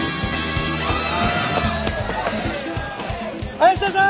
林田さん！